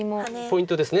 ポイントです。